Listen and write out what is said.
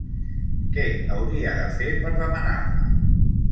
Què hauria de fer per demanar-la?